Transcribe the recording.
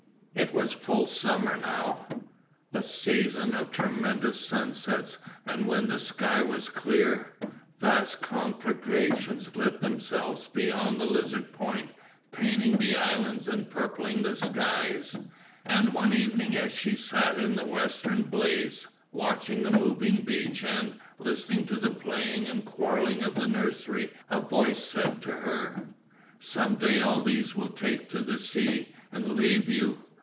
It was full summer now, the season of tremendous sunsets and when the sky was clear, vast conflagrations lit themselves beyond the Lizard Point painting the islands and purpling the skies, and one evening as she sat in the western blaze watching the moving beach and listening to the playing and quarrelling of the nursery a voice said to her: "Some day all these will take to the sea and leave you.